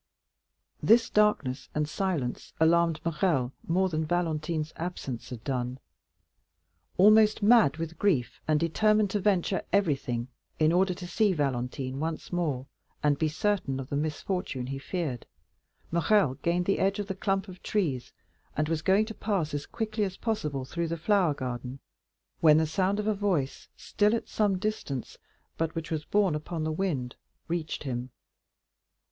This darkness and silence alarmed Morrel still more than Valentine's absence had done. Almost mad with grief, and determined to venture everything in order to see Valentine once more, and be certain of the misfortune he feared, Morrel gained the edge of the clump of trees, and was going to pass as quickly as possible through the flower garden, when the sound of a voice, still at some distance, but which was borne upon the wind, reached him.